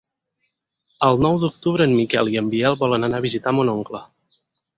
El nou d'octubre en Miquel i en Biel volen anar a visitar mon oncle.